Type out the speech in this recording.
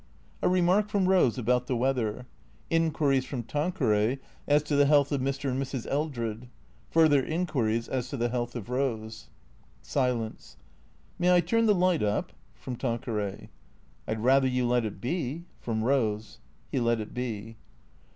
A remark from Eose about the weather. Inquiries from Tan THE CREATORS 505 queray as to the health of Mr. and Mrs. Eldred. Further inquir ies as to the health of Rose. Silence. " May I turn the light up? " (From Tanqueray.) "I'd rather you let it be?" (From Rose.) He let it be.